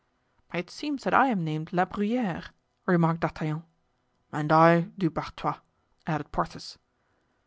"It seems that I am named La Bruyere," remarked D'Artagnan. "And I, Du Barthois," added Porthos.